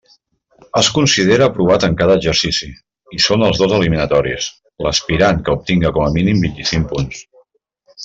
Es considera aprovat en cada exercici, i són els dos eliminatoris, l'aspirant que obtinga com a mínim vint-i-cinc punts.